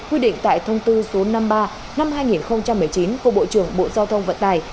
quy định tại thông tư số năm mươi ba năm hai nghìn một mươi chín của bộ trưởng bộ giao thông vận tài